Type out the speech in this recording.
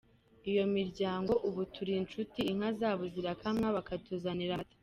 Iyo miryango ubu turi inshuti, inka zabo zirakamwa bakatuzanira amata.